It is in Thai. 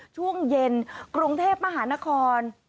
ช่วงเย็นกรุงเทพมหานคร